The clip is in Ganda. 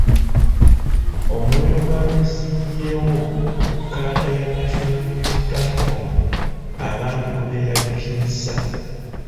Omuwendo gw'abeesimbyewo ku kkaada ya National Unity Platform abangi gubeerariikiriza.